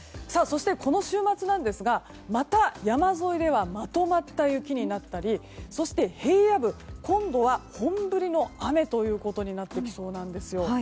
そして、この週末ですがまた、山沿いではまとまった雪になったりそして、平野部今度は本降りの雨ということになってきそうなんです。